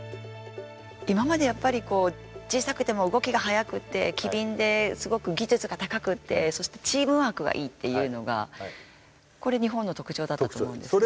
今まで小さくても動きが速くて機敏で、すごく技術が高くってそしてチームワークがいいというのがこれ、日本の特徴だったと思うんですけど。